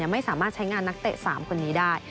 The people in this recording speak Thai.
ไม่สามารถใช้งานนักเตะ๓คนนี้ได้